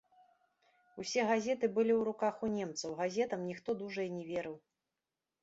Усе газеты былі ў руках у немцаў, газетам ніхто дужа і не верыў.